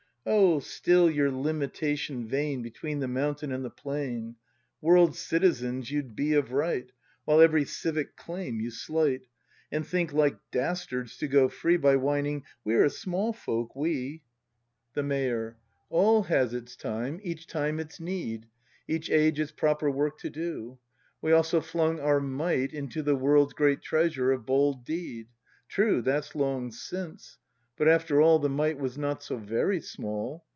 O, still your limitation vain Between the mountain and the plain! World citizens you'd be of right, While every civic claim you slight; And think, like dastards, to go free By whining: "We're a small folk, we!" 128 BRAND [act hi The Mayor. All has its time, each time its need. Each age its proper work to do; We also flung our mite into The world's great treasure of bold deed. True, that's long since; but, after all. The mite was not so very small.